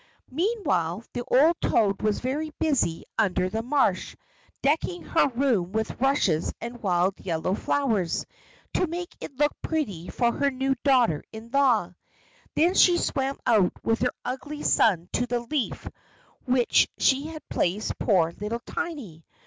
Meanwhile the old toad was very busy under the marsh, decking her room with rushes and wild yellow flowers, to make it look pretty for her new daughter in law. Then she swam out with her ugly son to the leaf on which she had placed poor little Tiny.